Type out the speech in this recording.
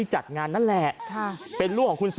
เฮ้ยเฮ้ยเฮ้ย